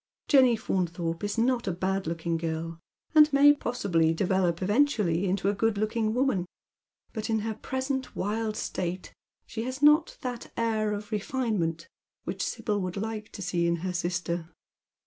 Jenny Faunthorpe is not a bad looking girl, and may possibly develop eventually into a good looking woman, but in her present wild state she has not that air of refinement which Sibyl would like to see in her sistoi